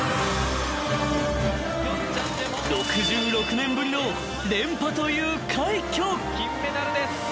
［６６年ぶりの連覇という快挙］